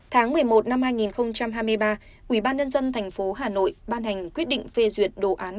tháng một mươi một năm hai nghìn hai mươi ba quỹ ban nhân dân thành phố hà nội ban hành quyết định phê duyệt đồ án